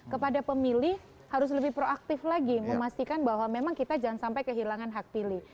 kepada pemilih harus lebih proaktif lagi memastikan bahwa memang kita jangan sampai kehilangan hak pilih